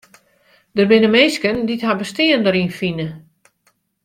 Der binne minsken dy't har bestean deryn fine.